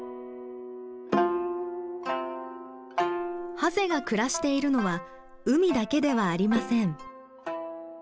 ハゼが暮らしているのは海だけではありません。